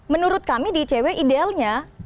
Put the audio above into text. menurut kami di icw idealnya